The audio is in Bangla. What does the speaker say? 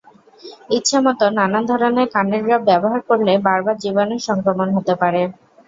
ইচ্ছেমতো নানান ধরনের কানের ড্রপ ব্যবহার করলে বারবার জীবাণুর সংক্রমণ হতে পারে।